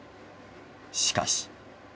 しかし。